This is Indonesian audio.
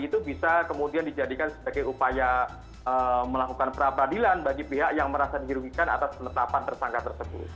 itu bisa kemudian dijadikan sebagai upaya melakukan pra peradilan bagi pihak yang merasa dirugikan atas penetapan tersangka tersebut